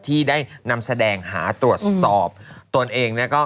ที่ได้นำแสดงหาตรวจสอบตนเอง